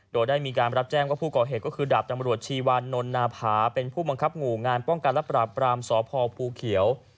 โดยได้มีการรับแจ้งว่าผู้ก่อเหตุก็คือดาบตำรวจชีวานนนาผาเป็นผู้บังคับหมู่งานป้องกันและปราบปรามสพภูเขียว